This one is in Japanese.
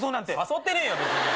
誘ってねえよ！